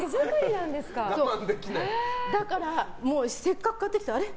だからせっかく買ってきてあれ？